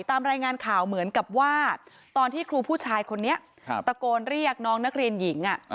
ตามรายงานข่าวเหมือนกับว่าตอนที่ครูผู้ชายคนนี้ตะโกนเรียกน้องนักเรียนหญิง